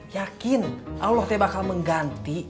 yakin allah tidak bakal mengganti